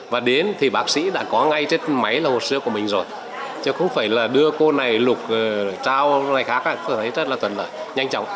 và đến thì bác sĩ đã có ngay trên máy là hồ sơ của mình rồi chứ không phải là đưa cô này lục trao này khác các cô thấy rất là thuận lợi nhanh chóng